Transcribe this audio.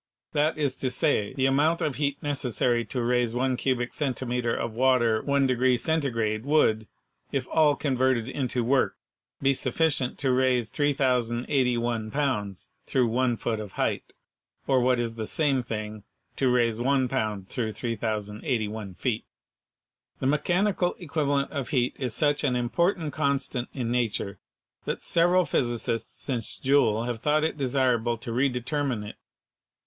that is to say, the amount of heat necessary to raise 1 cubic centimeter of water 1 degree Centigrade would, if all converted into work, be sufficient to raise 3,081 lbs. through 1 foot of height, or what is the same thing, to raise 1 pound through 3,081 feet. The mechanical equivalent of heat is such an important constant in nature that several physicists since Joule have thought it desirable to redetermine it.